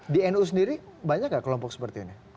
di nu sendiri banyak nggak kelompok seperti ini